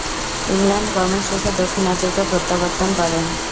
England গমন শেষে দক্ষিণ আফ্রিকা প্রত্যাবর্তন করেন।